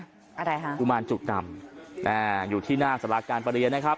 อะไรฮะกุมารจุกรรมอ่าอยู่ที่หน้าสาราการประเรียนนะครับ